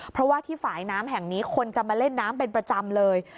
เพราะว่าที่ฝ่ายน้ำแห่งนี้คนจะมาเล่นน้ำเป็นประจำเลย